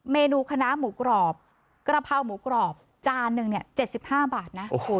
เมนูคณะหมูกรอบกระเพราหมูกรอบจานหนึ่งเนี่ย๗๕บาทนะ